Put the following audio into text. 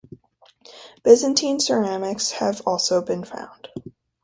Byzantine ceramics have also been found.